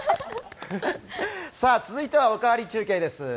続いては「おかわり中継」です。